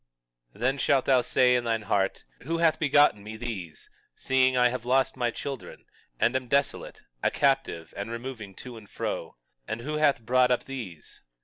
21:21 Then shalt thou say in thine heart: Who hath begotten me these, seeing I have lost my children, and am desolate, a captive, and removing to and fro? And who hath brought up these?